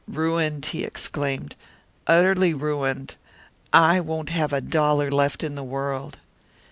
"Ruined!" he exclaimed. "Utterly ruined! I won't have a dollar left in the world."